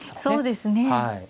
そうですね。